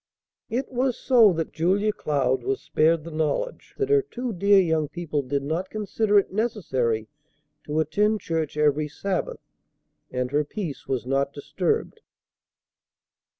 It was so that Julia Cloud was spared the knowledge that her two dear young people did not consider it necessary to attend church every Sabbath, and her peace was not disturbed.